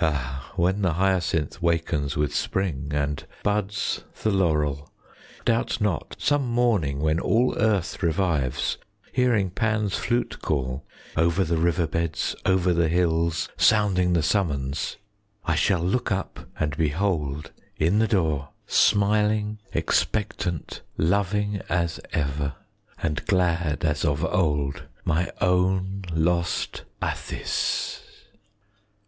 15 Ah, when the hyacinth Wakens with spring, And buds the laurel, Doubt not, some morning When all earth revives, 20 Hearing Pan's flute call Over the river beds, Over the hills, Sounding the summons, I shall look up and behold 25 In the door, Smiling, expectant, Loving as ever And glad as of old, My own lost Atthis!